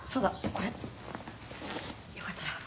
これよかったら。